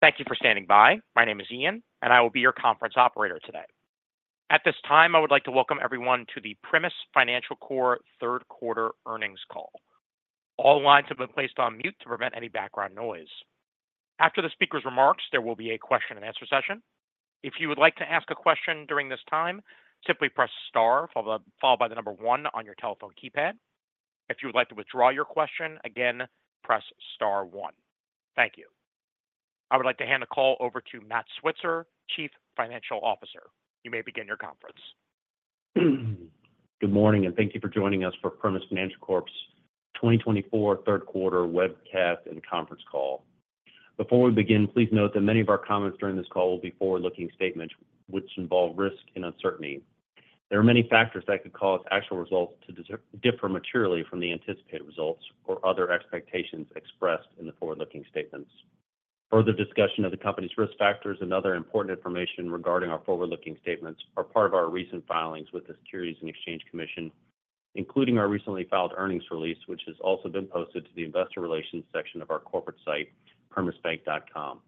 Thank you for standing by. My name is Ian, and I will be your conference operator today. At this time, I would like to welcome everyone to the Primis Financial Corp third quarter earnings call. All lines have been placed on mute to prevent any background noise. After the speaker's remarks, there will be a question and answer session. If you would like to ask a question during this time, simply press star, followed by, followed by the number one on your telephone keypad. If you would like to withdraw your question, again, press star one. Thank you. I would like to hand the call over to Matt Switzer, Chief Financial Officer. You may begin your conference. Good morning, and thank you for joining us for Primis Financial Corp's twenty twenty-four third quarter webcast and conference call. Before we begin, please note that many of our comments during this call will be forward-looking statements, which involve risk and uncertainty. There are many factors that could cause actual results to differ materially from the anticipated results or other expectations expressed in the forward-looking statements. Further discussion of the company's risk factors and other important information regarding our forward-looking statements are part of our recent filings with the Securities and Exchange Commission, including our recently filed earnings release, which has also been posted to the investor relations section of our corporate site, primisbank.com.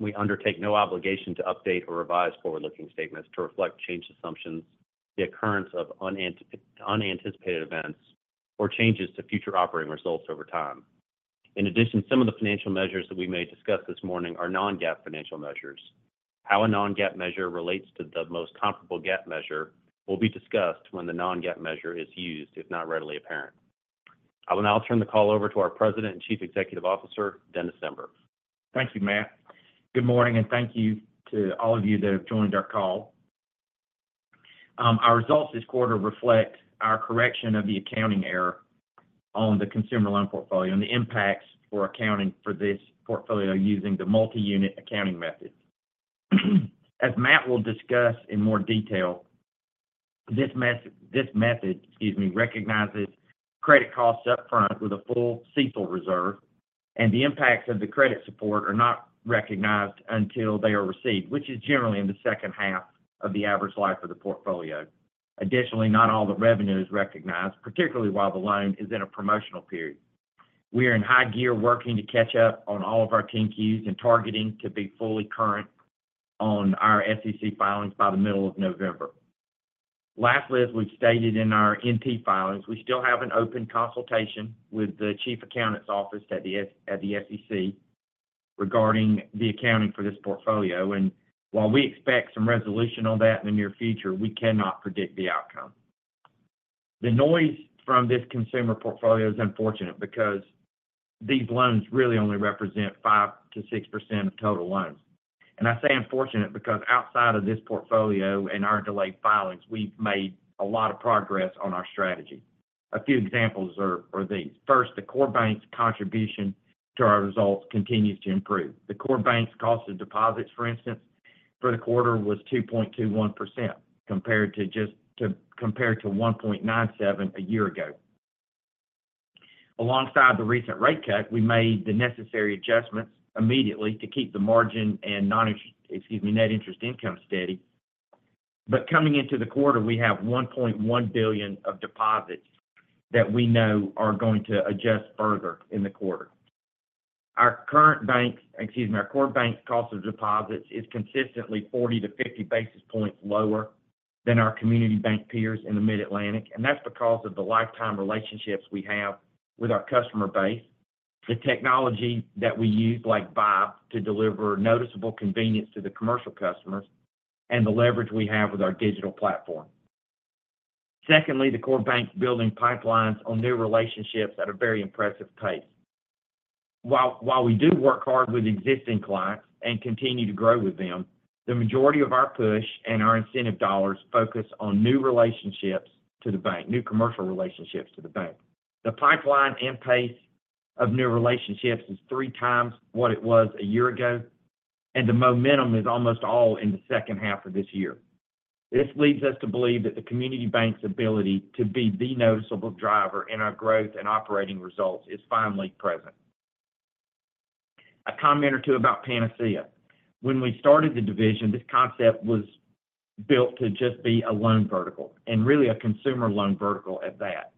We undertake no obligation to update or revise forward-looking statements to reflect changed assumptions, the occurrence of unanticipated events, or changes to future operating results over time. In addition, some of the financial measures that we may discuss this morning are non-GAAP financial measures. How a non-GAAP measure relates to the most comparable GAAP measure will be discussed when the non-GAAP measure is used, if not readily apparent. I will now turn the call over to our President and Chief Executive Officer, Dennis Zember. Thank you, Matt. Good morning, and thank you to all of you that have joined our call. Our results this quarter reflect our correction of the accounting error on the consumer loan portfolio and the impacts for accounting for this portfolio using the multi-unit accounting method. As Matt will discuss in more detail, this method, excuse me, recognizes credit costs upfront with a full CECL reserve, and the impacts of the credit support are not recognized until they are received, which is generally in the second half of the average life of the portfolio. Additionally, not all the revenue is recognized, particularly while the loan is in a promotional period. We are in high gear working to catch up on all of our 10-Qs and targeting to be fully current on our SEC filings by the middle of November. Lastly, as we've stated in our NT filings, we still have an open consultation with the chief accountant's office at the SEC regarding the accounting for this portfolio, and while we expect some resolution on that in the near future, we cannot predict the outcome. The noise from this consumer portfolio is unfortunate because these loans really only represent 5-6% of total loans. I say unfortunate because outside of this portfolio and our delayed filings, we've made a lot of progress on our strategy. A few examples are these: First, the core bank's contribution to our results continues to improve. The core bank's cost of deposits, for instance, for the quarter was 2.21%, compared to 1.97% a year ago. Alongside the recent rate cut, we made the necessary adjustments immediately to keep the margin and non-interest, excuse me, net interest income steady. But coming into the quarter, we have 1.1 billion of deposits that we know are going to adjust further in the quarter. Our current bank, excuse me, our core bank's cost of deposits is consistently 40-50 basis points lower than our community bank peers in the Mid-Atlantic, and that's because of the lifetime relationships we have with our customer base, the technology that we use, like V1P, to deliver noticeable convenience to the commercial customers, and the leverage we have with our digital platform. Secondly, the core bank's building pipelines on new relationships at a very impressive pace. While we do work hard with existing clients and continue to grow with them, the majority of our push and our incentive dollars focus on new relationships to the bank, new commercial relationships to the bank. The pipeline and pace of new relationships is three times what it was a year ago, and the momentum is almost all in the second half of this year. This leads us to believe that the community bank's ability to be the noticeable driver in our growth and operating results is finally present. A comment or two about Panacea. When we started the division, this concept was built to just be a loan vertical and really a consumer loan vertical at that.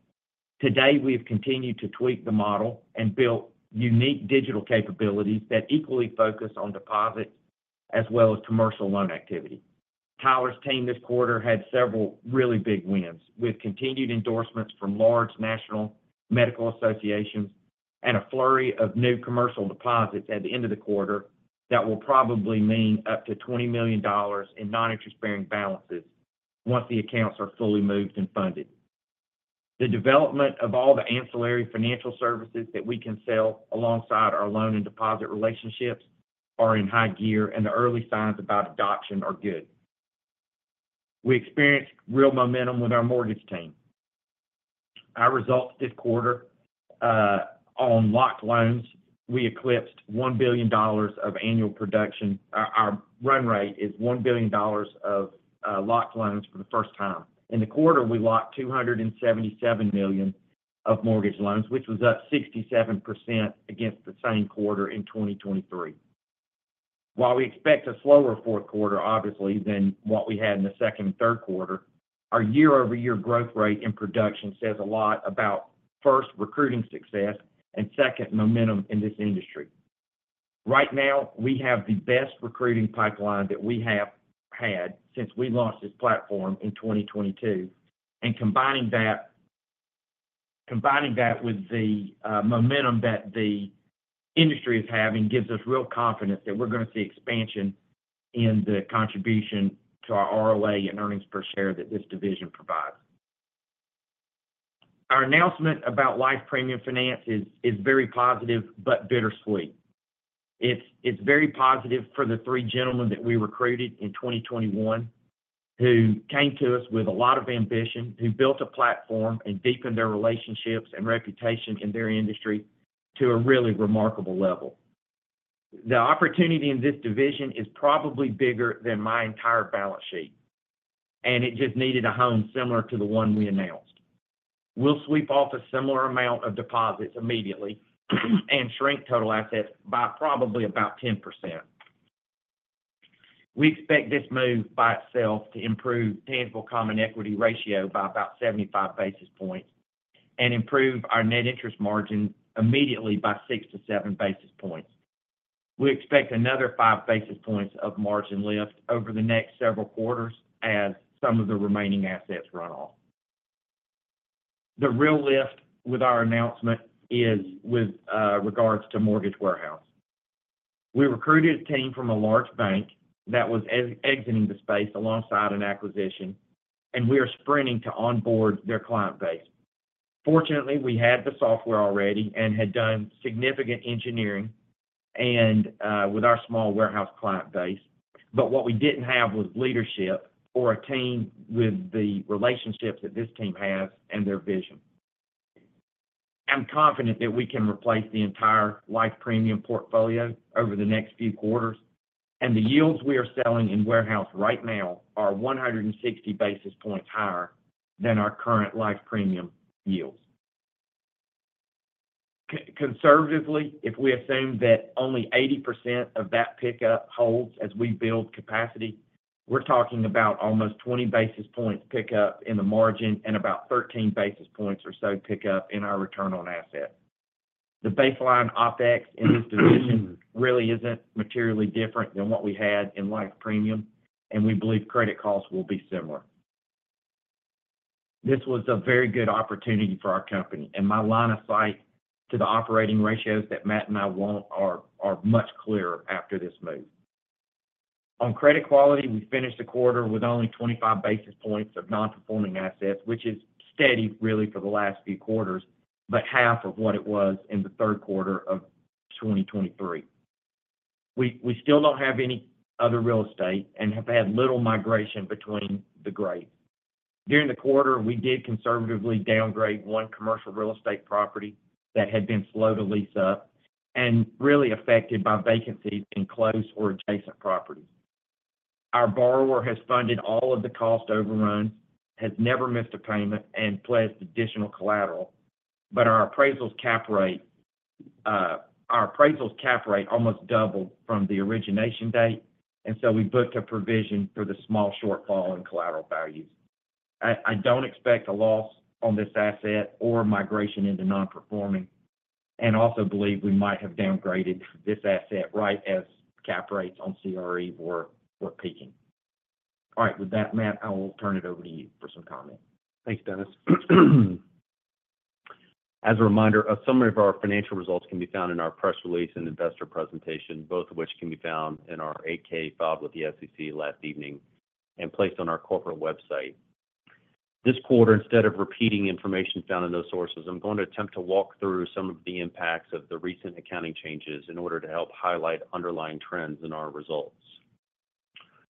Today, we have continued to tweak the model and built unique digital capabilities that equally focus on deposits as well as commercial loan activity. Tyler's team this quarter had several really big wins, with continued endorsements from large national medical associations and a flurry of new commercial deposits at the end of the quarter that will probably mean up to $20 million in non-interest-bearing balances once the accounts are fully moved and funded. The development of all the ancillary financial services that we can sell alongside our loan and deposit relationships are in high gear, and the early signs about adoption are good. We experienced real momentum with our mortgage team. Our results this quarter on locked loans, we eclipsed $1 billion of annual production. Our run rate is $1 billion of locked loans for the first time. In the quarter, we locked $277 million of mortgage loans, which was up 67% against the same quarter in 2023. While we expect a slower fourth quarter, obviously, than what we had in the second and third quarter, our year-over-year growth rate in production says a lot about, first, recruiting success, and second, momentum in this industry. Right now, we have the best recruiting pipeline that we have had since we launched this platform in twenty twenty-two, and combining that with the momentum that the industry is having gives us real confidence that we're going to see expansion in the contribution to our ROA and earnings per share that this division provides. Our announcement about Life Premium Finance is very positive, but bittersweet. It's very positive for the three gentlemen that we recruited in twenty twenty-one, who came to us with a lot of ambition, who built a platform and deepened their relationships and reputation in their industry to a really remarkable level. The opportunity in this division is probably bigger than my entire balance sheet, and it just needed a home similar to the one we announced. We'll sweep off a similar amount of deposits immediately, and shrink total assets by probably about 10%. We expect this move by itself to improve tangible common equity ratio by about 75 basis points and improve our net interest margin immediately by six to seven basis points. We expect another five basis points of margin lift over the next several quarters as some of the remaining assets run off. The real lift with our announcement is with regards to Mortgage Warehouse. We recruited a team from a large bank that was exiting the space alongside an acquisition, and we are sprinting to onboard their client base. Fortunately, we had the software already and had done significant engineering and with our small warehouse client base. But what we didn't have was leadership or a team with the relationships that this team has and their vision. I'm confident that we can replace the entire life premium portfolio over the next few quarters, and the yields we are selling in warehouse right now are 160 basis points higher than our current life premium yields. Conservatively, if we assume that only 80% of that pickup holds as we build capacity, we're talking about almost 20 basis points pickup in the margin and about 13 basis points or so pickup in our return on asset. The baseline OpEx in this division really isn't materially different than what we had in life premium, and we believe credit costs will be similar. This was a very good opportunity for our company, and my line of sight to the operating ratios that Matt and I want are much clearer after this move. On credit quality, we finished the quarter with only 25 basis points of non-performing assets, which is steady, really, for the last few quarters, but half of what it was in the third quarter of 2023. We still don't have any other real estate and have had little migration between the grades. During the quarter, we did conservatively downgrade one commercial real estate property that had been slow to lease up and really affected by vacancies in close or adjacent properties. Our borrower has funded all of the cost overruns, has never missed a payment, and pledged additional collateral, but our appraisals cap rate almost doubled from the origination date, and so we booked a provision for the small shortfall in collateral values. I don't expect a loss on this asset or migration into non-performing, and also believe we might have downgraded this asset right as cap rates on CRE were peaking. All right. With that, Matt, I will turn it over to you for some comment. Thanks, Dennis. As a reminder, a summary of our financial results can be found in our press release and investor presentation, both of which can be found in our 8-K filed with the SEC last evening and placed on our corporate website. This quarter, instead of repeating information found in those sources, I'm going to attempt to walk through some of the impacts of the recent accounting changes in order to help highlight underlying trends in our results.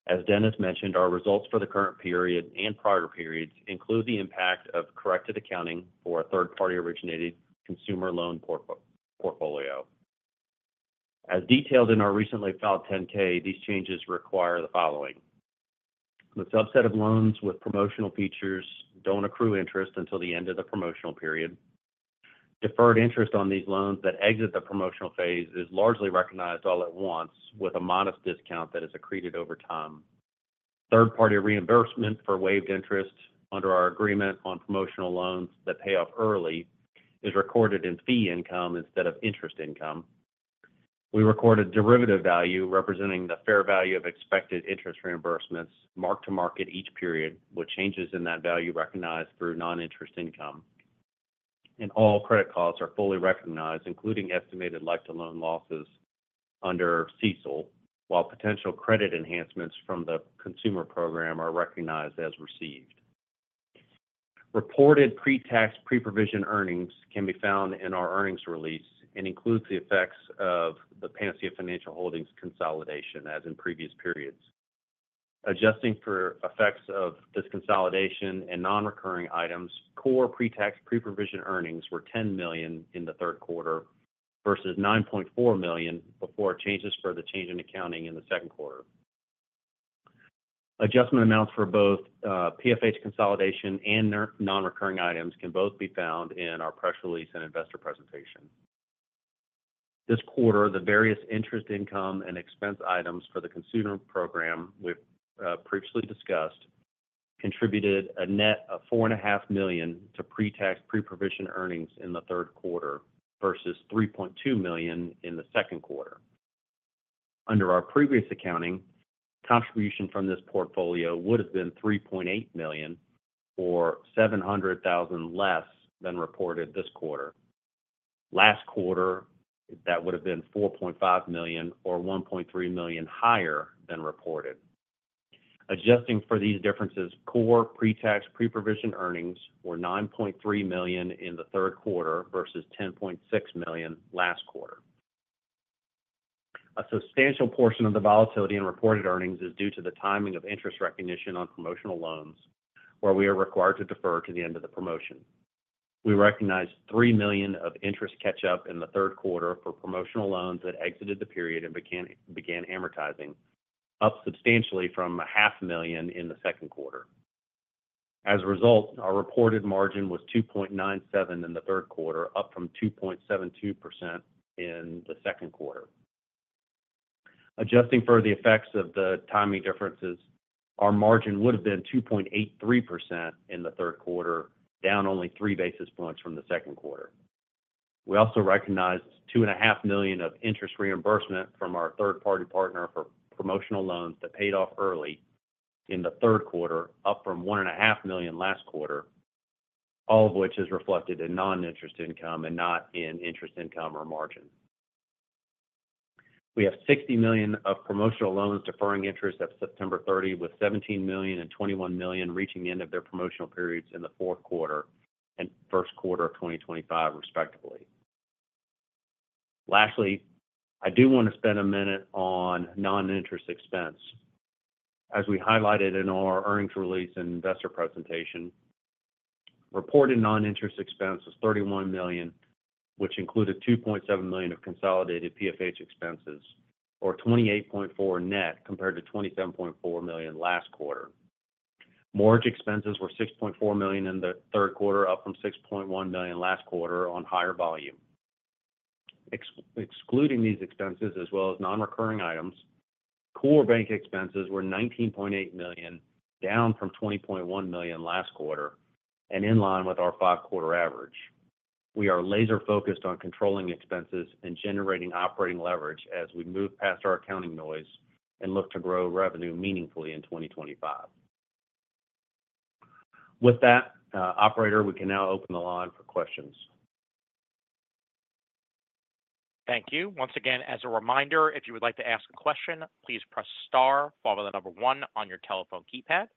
As Dennis mentioned, our results for the current period and prior periods include the impact of corrected accounting for a third-party originated consumer loan portfolio. As detailed in our recently filed 10-K, these changes require the following: The subset of loans with promotional features don't accrue interest until the end of the promotional period. Deferred interest on these loans that exit the promotional phase is largely recognized all at once, with a modest discount that is accreted over time. Third-party reimbursement for waived interest under our agreement on promotional loans that pay off early is recorded in fee income instead of interest income. We record a derivative value representing the fair value of expected interest reimbursements, mark-to-market each period, with changes in that value recognized through non-interest income. All credit costs are fully recognized, including estimated life to loan losses under CECL, while potential credit enhancements from the consumer program are recognized as received. Reported pre-tax, pre-provision earnings can be found in our earnings release and includes the effects of the Panacea Financial Holdings consolidation, as in previous periods. Adjusting for effects of this consolidation and non-recurring items, core pre-tax, pre-provision earnings were $10 million in the third quarter versus $9.4 million before changes per the change in accounting in the second quarter. Adjustment amounts for both, PFH consolidation and non-recurring items can both be found in our press release and investor presentation. This quarter, the various interest income and expense items for the consumer program we've previously discussed, contributed a net of $4.5 million to pre-tax, pre-provision earnings in the third quarter versus $3.2 million in the second quarter. Under our previous accounting, contribution from this portfolio would have been $3.8 million, or $700,000 less than reported this quarter. Last quarter, that would have been $4.5 million or $1.3 million higher than reported. Adjusting for these differences, core pre-tax, pre-provision earnings were $9.3 million in the third quarter versus $10.6 million last quarter. A substantial portion of the volatility in reported earnings is due to the timing of interest recognition on promotional loans, where we are required to defer to the end of the promotion. We recognized $3 million of interest catch up in the third quarter for promotional loans that exited the period and began amortizing, up substantially from $500,000 in the second quarter. As a result, our reported margin was 2.97% in the third quarter, up from 2.72% in the second quarter. Adjusting for the effects of the timing differences, our margin would have been 2.83% in the third quarter, down only three basis points from the second quarter. We also recognized $2.5 million of interest reimbursement from our third-party partner for promotional loans that paid off early in the third quarter, up from $1.5 million last quarter, all of which is reflected in non-interest income and not in interest income or margin. We have $60 million of promotional loans deferring interest at September thirty, with $17 million and $21 million reaching the end of their promotional periods in the fourth quarter and first quarter of 2025, respectively. Lastly, I do want to spend a minute on non-interest expense. As we highlighted in our earnings release and investor presentation, reported non-interest expense was $31 million, which included $2.7 million of consolidated PFH expenses, or $28.4 million net, compared to $27.4 million last quarter. Mortgage expenses were $6.4 million in the third quarter, up from $6.1 million last quarter on higher volume. Excluding these expenses, as well as non-recurring items, core bank expenses were $19.8 million, down from $20.1 million last quarter and in line with our five-quarter average. We are laser focused on controlling expenses and generating operating leverage as we move past our accounting noise and look to grow revenue meaningfully in 2025. With that, operator, we can now open the line for questions. Thank you. Once again, as a reminder, if you would like to ask a question, please press star, followed by the number one on your telephone keypad.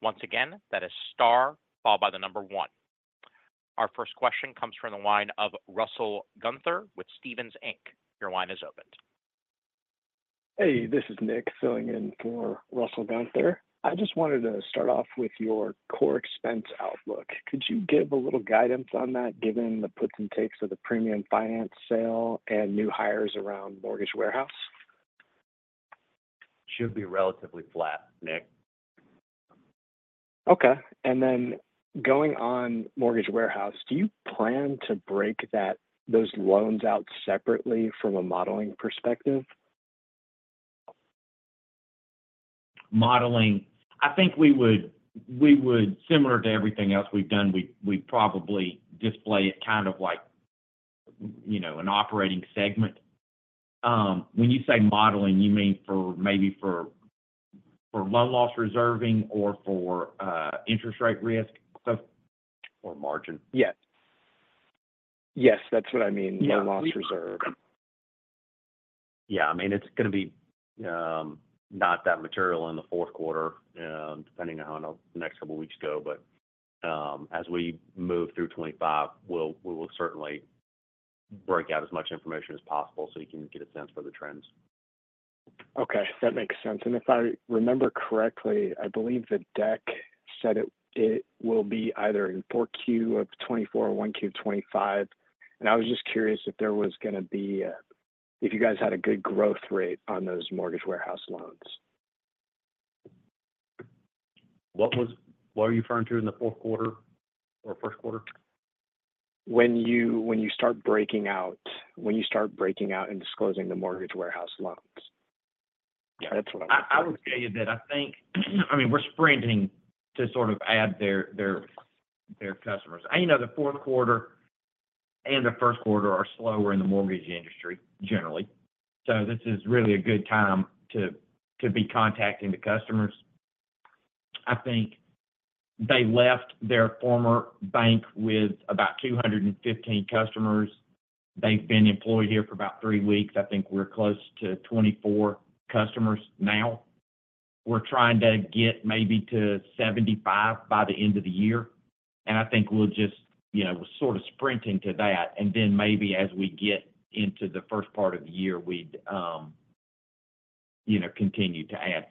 Once again, that is star followed by the number one. Our first question comes from the line of Russell Gunther with Stephens Inc. Your line is open. Hey, this is Nick filling in for Russell Gunther. I just wanted to start off with your core expense outlook. Could you give a little guidance on that, given the puts and takes of the premium finance sale and new hires around Mortgage Warehouse? Should be relatively flat, Nick. Okay, and then going on Mortgage Warehouse, do you plan to break that- those loans out separately from a modeling perspective? Modeling, I think we would similar to everything else we've done, we'd probably display it kind of like, you know, an operating segment. When you say modeling, you mean for maybe loan loss reserving or for interest rate risk stuff? Or margin? Yes. Yes, that's what I mean, loan loss reserve. Yeah, I mean, it's going to be not that material in the fourth quarter, depending on how the next couple of weeks go. But, as we move through 2025, we'll, we will certainly break out as much information as possible, so you can get a sense for the trends. Okay, that makes sense. And if I remember correctly, I believe the deck said it will be either in 4Q of 2024 or 1Q of 2025. And I was just curious if you guys had a good growth rate on those mortgage warehouse loans. What are you referring to in the fourth quarter or first quarter? When you start breaking out and disclosing the Mortgage Warehouse loans. Yeah. That's what I- I would say that I think, I mean, we're sprinting to sort of add their customers. And, you know, the fourth quarter and the first quarter are slower in the mortgage industry, generally. So this is really a good time to be contacting the customers. I think they left their former bank with about 215 customers. They've been employed here for about three weeks. I think we're close to 24 customers now. We're trying to get maybe to 75 by the end of the year, and I think we'll just, you know, sort of sprint into that, and then maybe as we get into the first part of the year, we'd, you know, continue to add.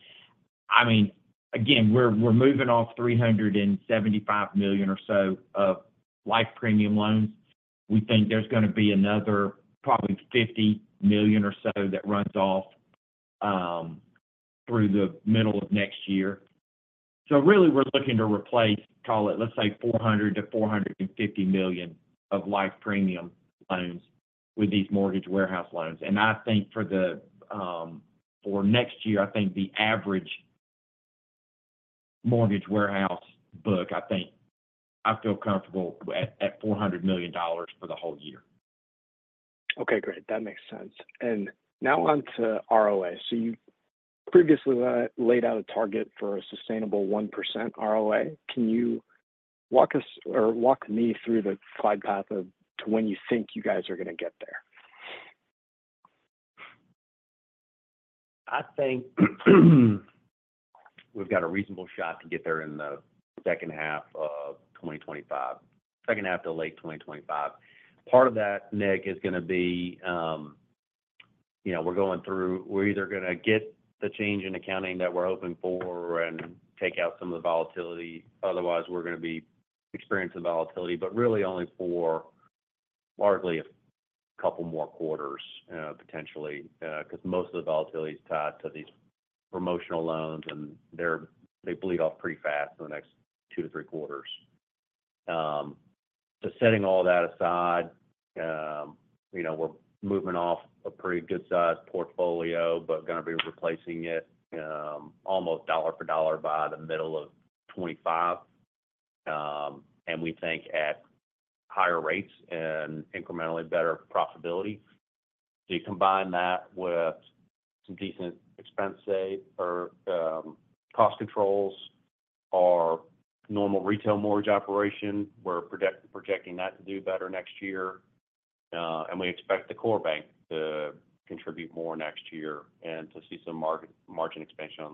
I mean, again, we're moving off $375 million or so of life premium loans... We think there's gonna be another probably $50 million or so that runs off through the middle of next year. So really, we're looking to replace, call it, let's say, $400-$450 million of Life Premium loans with these Mortgage Warehouse loans. I think for the for next year, I think the average Mortgage Warehouse book, I think I feel comfortable at $400 million for the whole year. Okay, great. That makes sense. And now on to ROA. So you previously laid out a target for a sustainable 1% ROA. Can you walk us or walk me through the glide path to when you think you guys are gonna get there? I think we've got a reasonable shot to get there in the second half of twenty twenty-five, second half to late twenty twenty-five. Part of that, Nick, is gonna be, you know, we're going through. We're either gonna get the change in accounting that we're hoping for and take out some of the volatility. Otherwise, we're gonna be experiencing volatility, but really only for largely a couple more quarters, potentially. 'Cause most of the volatility is tied to these promotional loans, and they bleed off pretty fast in the next two to three quarters. So setting all that aside, you know, we're moving off a pretty good-sized portfolio, but gonna be replacing it, almost dollar for dollar by the middle of twenty-five. And we think at higher rates and incrementally better profitability. So you combine that with some decent expense save or cost controls, our normal retail mortgage operation, we're projecting that to do better next year. And we expect the core bank to contribute more next year and to see some margin expansion on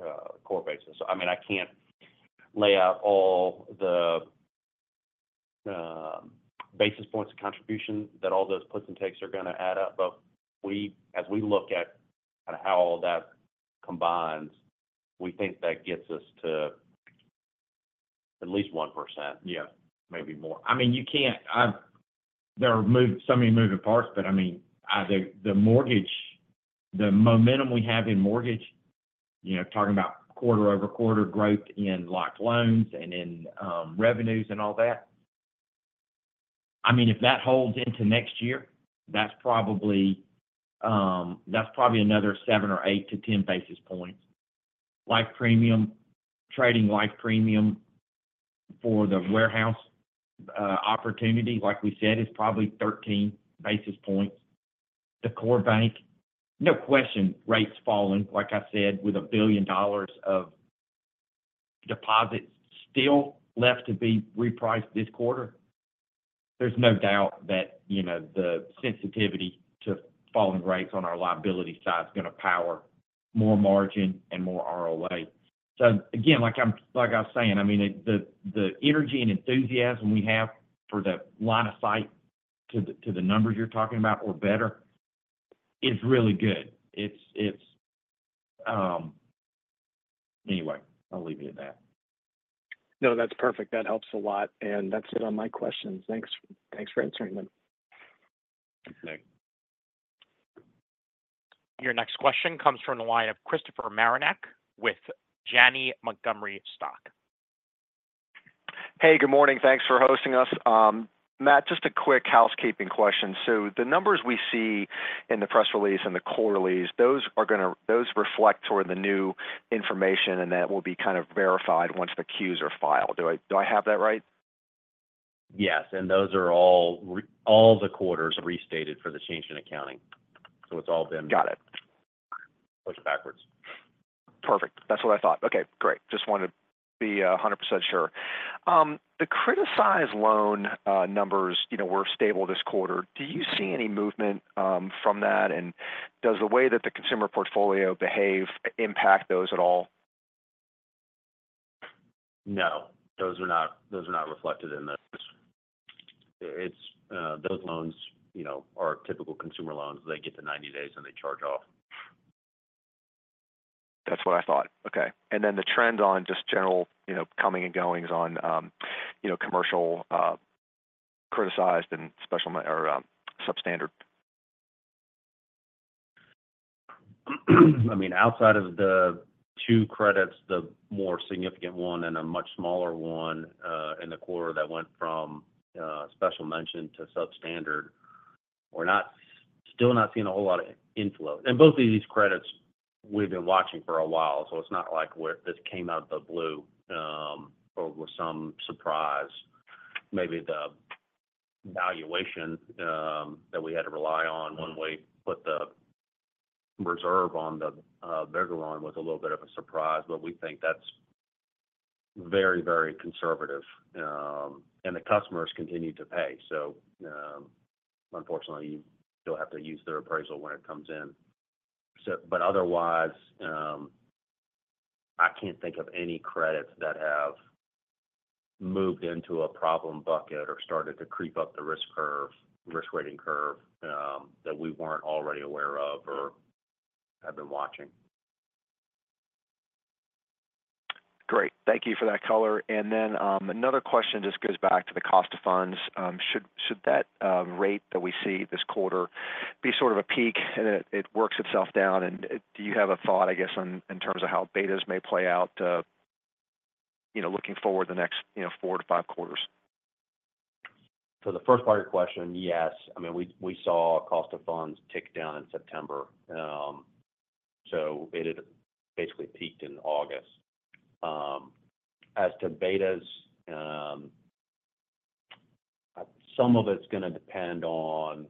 the core basis. So, I mean, I can't lay out all the basis points of contribution that all those puts and takes are gonna add up, but we as we look at kind of how all that combines, we think that gets us to at least 1%. Yeah, maybe more. I mean, there are so many moving parts, but I mean, the mortgage, the momentum we have in mortgage, you know, talking about quarter over quarter growth in locked loans and in revenues and all that, I mean, if that holds into next year, that's probably another seven or eight to 10 basis points. Life premium, trading life premium for the warehouse opportunity, like we said, is probably 13 basis points. The core bank, no question, rates falling, like I said, with $1 billion of deposits still left to be repriced this quarter. There's no doubt that, you know, the sensitivity to falling rates on our liability side is gonna power more margin and more ROA. So again, like I was saying, I mean, the energy and enthusiasm we have for the line of sight to the numbers you're talking about or better, is really good. It's. Anyway, I'll leave you at that. No, that's perfect. That helps a lot, and that's it on my questions. Thanks, thanks for answering them. Thanks. Your next question comes from the line of Christopher Marinac with Janney Montgomery Scott. Hey, good morning. Thanks for hosting us. Matt, just a quick housekeeping question. So the numbers we see in the press release and the quarterlies, those are gonna reflect toward the new information, and that will be kind of verified once the Qs are filed. Do I have that right? Yes, and those are all the quarters restated for the change in accounting. So it's all been- Got it. Push backwards. Perfect. That's what I thought. Okay, great. Just wanted to be 100% sure. The criticized loan numbers, you know, were stable this quarter. Do you see any movement from that? And does the way that the consumer portfolio behave impact those at all? No, those are not, those are not reflected in this. It's those loans, you know, are typical consumer loans. They get to ninety days, and they charge off. That's what I thought. Okay. And then the trend on just general, you know, comings and goings on, you know, commercial, criticized and special mention or substandard? I mean, outside of the two credits, the more significant one and a much smaller one, in the quarter that went from special mention to substandard, we're still not seeing a whole lot of inflow, and both of these credits, we've been watching for a while, so it's not like this came out of the blue or was some surprise. Maybe the valuation that we had to rely on when we put the reserve on the bigger loan was a little bit of a surprise, but we think that's very, very conservative, and the customers continued to pay, so unfortunately, you still have to use their appraisal when it comes in. But otherwise, I can't think of any credits that have moved into a problem bucket or started to creep up the risk curve, risk-weighting curve, that we weren't already aware of or have been watching. ... Great. Thank you for that color. And then, another question just goes back to the cost of funds. Should that rate that we see this quarter be sort of a peak and it works itself down? And, do you have a thought, I guess, in terms of how betas may play out, you know, looking forward the next, you know, four to five quarters? So the first part of your question, yes. I mean, we saw cost of funds tick down in September. So it had basically peaked in August. As to betas, some of it's going to depend on,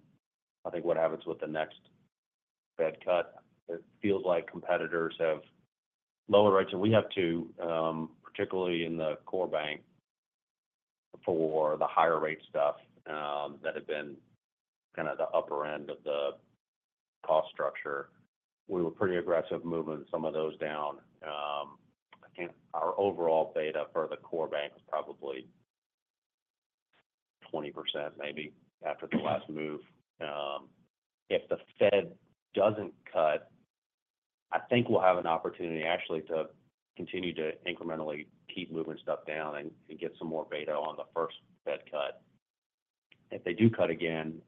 I think, what happens with the next Fed cut. It feels like competitors have lower rates, and we have to, particularly in the core bank for the higher rate stuff, that had been kind of the upper end of the cost structure. We were pretty aggressive moving some of those down. I think our overall beta for the core bank is probably 20% maybe after the last move. If the Fed doesn't cut, I think we'll have an opportunity actually to continue to incrementally keep moving stuff down and get some more beta on the first Fed cut. If they do cut again,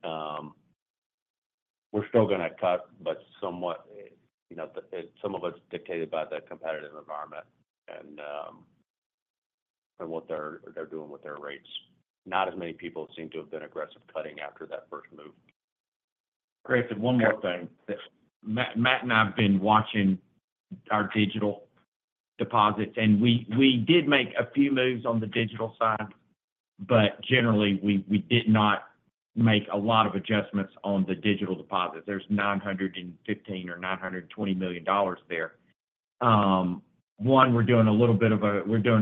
we're still gonna cut, but somewhat, you know, some of it's dictated by the competitive environment and what they're doing with their rates. Not as many people seem to have been aggressive cutting after that first move. Great, and one more thing. Matt and I have been watching our digital deposits, and we did make a few moves on the digital side, but generally, we did not make a lot of adjustments on the digital deposits. There's $915 million-$920 million there. We're doing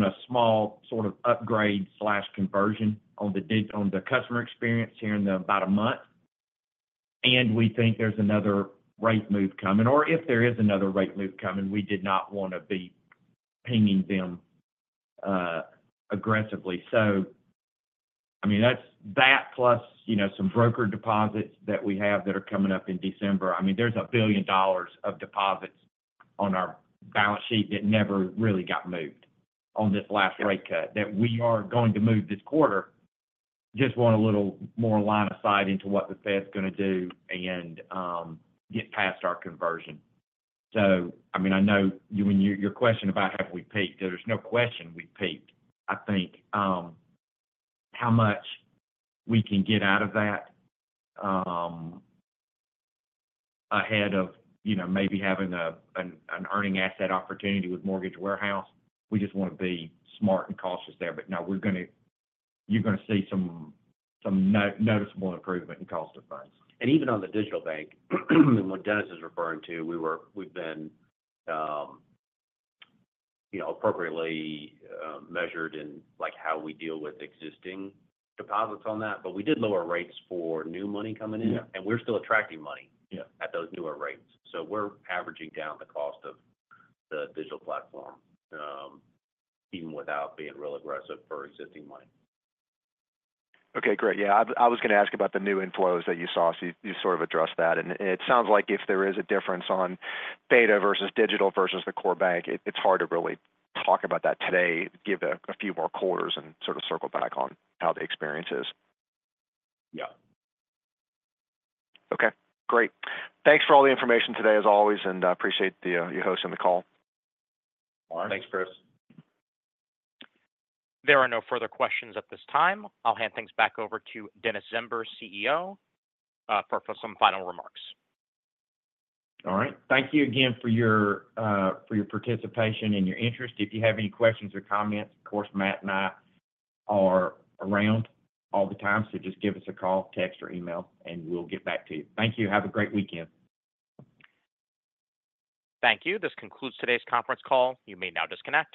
a small sort of upgrade/conversion on the digital customer experience here in about a month, and we think there's another rate move coming, or if there is another rate move coming, we did not want to be pinging them aggressively. So, I mean, that's that plus, you know, some broker deposits that we have that are coming up in December. I mean, there's $1 billion of deposits on our balance sheet that never really got moved on this last rate cut, that we are going to move this quarter. Just want a little more line of sight into what the Fed's gonna do and get past our conversion. So, I mean, I know you when your question about have we peaked, there's no question we've peaked. I think how much we can get out of that ahead of, you know, maybe having an earning asset opportunity with Mortgage Warehouse, we just want to be smart and cautious there. But no, we're gonna... You're gonna see some noticeable improvement in cost of funds. And even on the digital bank, and what Dennis is referring to, we've been, you know, appropriately, measured in, like, how we deal with existing deposits on that. But we did lower rates for new money coming in. Yeah. and we're still attracting money- Yeah - at those newer rates. So we're averaging down the cost of the digital platform, even without being real aggressive for existing money. Okay, great. Yeah, I was gonna ask about the new inflows that you saw. So you sort of addressed that, and it sounds like if there is a difference on beta versus digital versus the core bank, it's hard to really talk about that today. Give it a few more quarters and sort of circle back on how the experience is. Yeah. Okay, great. Thanks for all the information today, as always, and I appreciate you hosting the call. Thanks, Chris. There are no further questions at this time. I'll hand things back over to Dennis Zember, CEO, for some final remarks. All right. Thank you again for your participation and your interest. If you have any questions or comments, of course, Matt and I are around all the time, so just give us a call, text, or email, and we'll get back to you. Thank you. Have a great weekend. Thank you. This concludes today's conference call. You may now disconnect.